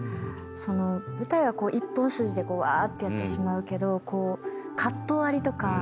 舞台は一本筋でわーってやってしまうけどカット割りとか。